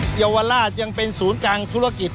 เยาวราชยังเป็นศูนย์กลางธุรกิจ